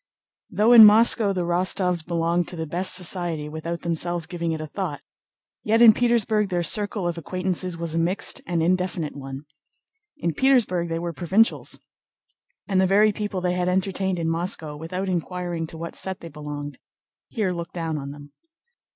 Though in Moscow the Rostóvs belonged to the best society without themselves giving it a thought, yet in Petersburg their circle of acquaintances was a mixed and indefinite one. In Petersburg they were provincials, and the very people they had entertained in Moscow without inquiring to what set they belonged, here looked down on them.